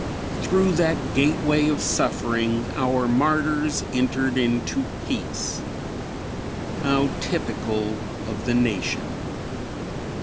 Through that gateway of suffering our martyrs entered into peace. How typical of the nation!